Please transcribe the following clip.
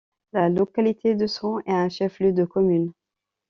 La localité de Sran est un chef-lieu de commune.